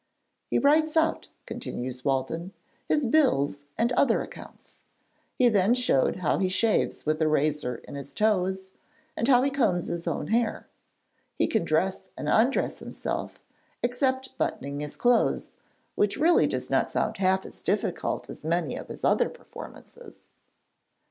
He writes out,' continues Walton, 'his bills and other accounts. He then showed how he shaves with a razor in his toes, and how he combs his own hair. He can dress and undress himself, except buttoning his clothes,' which really does not sound half as difficult as many of his other performances.